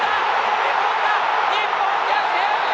日本、逆転！